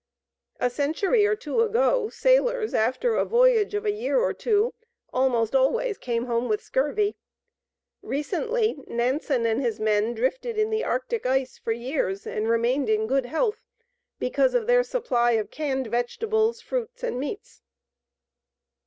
A century or two ago, sailors after a voyage of a year or two, almost always came home with scurvy. Recently Nansen and his men drifted in the Arctic ice for years and remained in good health, because of their supply of canned vegetables, fruits, and meats.